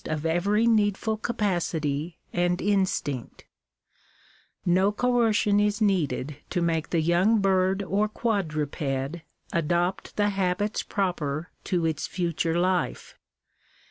187 of every needful capacity and instinct No coercion is needed to make the young bird or quadruped adopt the habits proper to its future life.